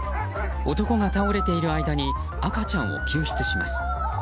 男が倒れている間に赤ちゃんを救出します。